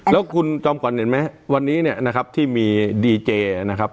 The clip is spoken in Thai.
แล้วคุณจอมขวัญเห็นไหมวันนี้เนี่ยนะครับที่มีดีเจนะครับ